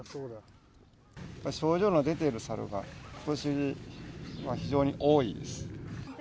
症状の出ているサルが、ことしは非常に多いです。